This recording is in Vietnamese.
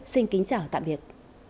xin kính chào tạm biệt